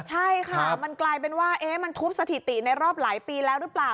ใช่ค่ะมันกลายเป็นว่ามันทุบสถิติในรอบหลายปีแล้วหรือเปล่า